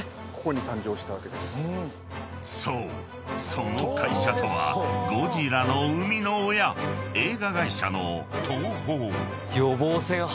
その会社とはゴジラの生みの親映画会社の東宝］